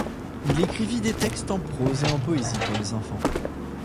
Il écrivit des textes en prose et en poésie pour les enfants.